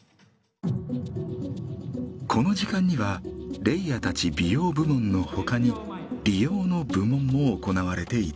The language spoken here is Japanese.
この時間にはレイヤたち美容部門のほかに理容の部門も行われていた。